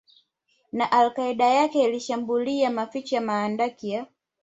na Al Qaeda yake ilishambulia maficho ya mahandaki ya